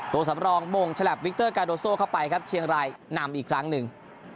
ตัวสำรองมงฉลับวิกเตอร์กาโดโซ่เข้าไปครับเชียงรายนำอีกครั้งหนึ่ง